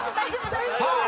さあ